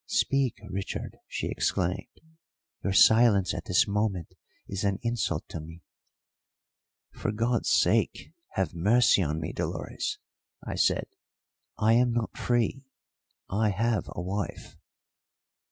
"Speak, Richard!" she exclaimed. "Your silence at this moment is an insult to me." "For God's sake, have mercy on me, Dolores," I said. "I am not free I have a wife."